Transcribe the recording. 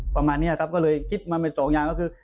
ประมาณนี้ครับก็เลยคิดมาเป็นสองอย่างก็คือ